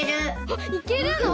あっいけるの？